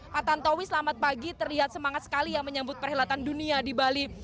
pak tantowi selamat pagi terlihat semangat sekali ya menyambut perhelatan dunia di bali